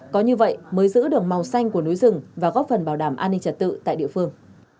có như vậy mới giữ được màu xanh của núi rừng và góp phần bảo đảm an ninh trật tự tại địa phương